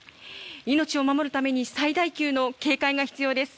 命を守るために最大級の警戒が必要です。